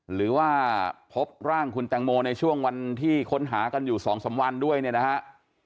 หรือว่าพบร่างคุณแตงโมในช่วงวันที่ค้นหากันอยู่๒๓วันด้วยเนี่ยนะฮะ